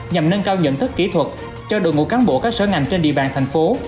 nhằm nâng cao nhận thức kỹ thuật cho đội ngũ cán bộ các sở ngành trên địa bàn thành phố